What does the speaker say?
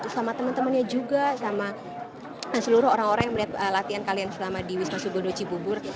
sama teman temannya juga sama dan seluruh orang orang yang melihat latihan kalian selama di wisma sugondo cibubur